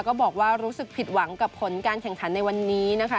ก็บอกว่ารู้สึกผิดหวังกับผลการแข่งขันในวันนี้นะคะ